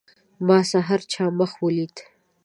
ما سحر چا مخ ولید.